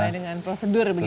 sesuai dengan prosedur begitu